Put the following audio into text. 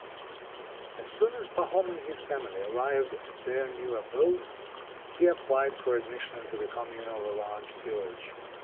IV As soon as Pahom and his family arrived at their new abode, he applied for admission into the Commune of a large village.